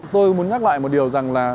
tôi muốn nhắc lại một điều rằng là